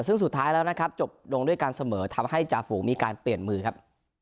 ซึ่งสุดท้ายแล้วนะครับจบลงด้วยการเสมอทำให้จาฝูงมีการเปลี่ยนมือครับ